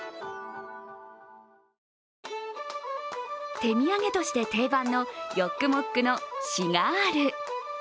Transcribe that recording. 手土産として定番のヨックモックのシガール。